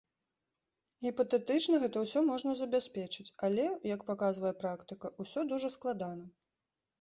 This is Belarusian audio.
Гіпатэтычна гэта ўсё можна забяспечыць, але, як паказвае практыка, усё дужа складана.